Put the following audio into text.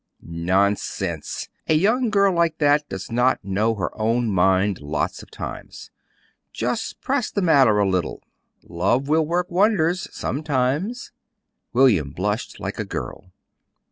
"Nonsense! A young girl like that does not know her own mind lots of times. Just press the matter a little. Love will work wonders sometimes." William blushed like a girl.